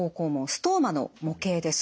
ストーマの模型です。